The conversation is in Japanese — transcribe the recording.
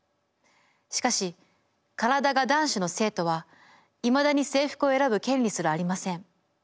しかし体が男子の生徒は未だに制服を選ぶ権利すらありません。